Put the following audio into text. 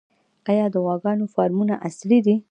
آیا د غواګانو فارمونه عصري دي؟